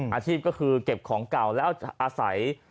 อาชีพก็คือเก็บของเก่าแล้วจะอาศัย